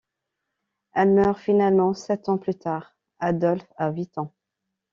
Elle meurt finalement sept ans plus tard, Adolph à huit ans.